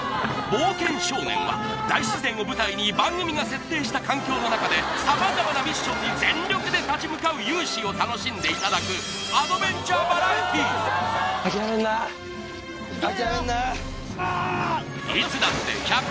冒険少年は大自然を舞台に番組が設定した環境の中で様々なミッションに全力で立ち向かう勇姿を楽しんでいただくいつだって１００％